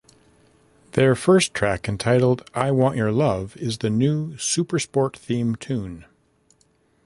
Their first track; entitled "I Want Your Love" is the new SuperSport theme tune.